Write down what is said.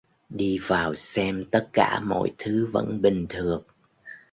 Đi vào xem tất cả mọi thứ vẫn bình thường